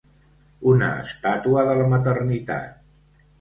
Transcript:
Una estàtua de la maternitat.